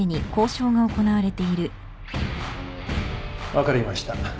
分かりました。